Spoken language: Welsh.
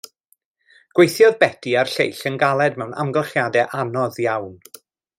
Gweithiodd Beti a'r lleill yn galed mewn amgylchiadau anodd iawn.